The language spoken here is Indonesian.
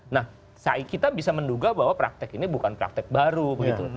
nah kita bisa menduga bahwa praktek ini bukan praktek baru begitu